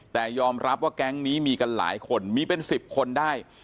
แต่ยอมรับว่าแก๊งนี้มีกันหลายคนมีเป็น๑๐คนได้